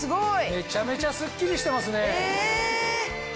めちゃめちゃスッキリしてますね。